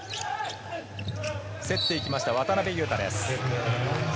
競っていきました渡邊雄太です。